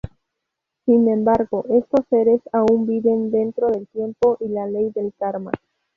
Sin embargo, estos seres aún viven dentro del tiempo y la ley del karma.